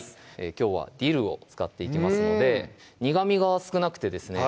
きょうはディルを使っていきますので苦みが少なくてですね